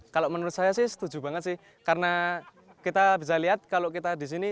kalau menurut saya sih setuju banget sih karena kita bisa lihat kalau kita di sini